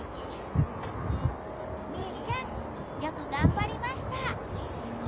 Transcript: みうちゃんよく頑張りました！